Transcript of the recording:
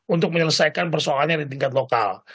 untuk menyelesaikan persoalannya di tingkat lokal